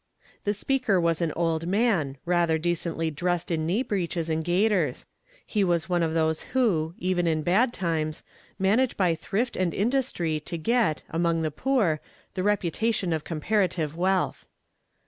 The speaker was an old man, rather decently dressed in knee breeches and gaiters; he was one of those who, even in bad times, manage by thrift and industry to get, among the poor, the reputation of comparative wealth.